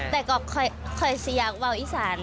แต่ก็คอยสยามว่าวอีสาน